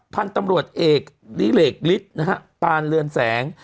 พันธุ์ตำรวจเอกลิเหลกฤทธิ์นะฮะปานเรือนแสง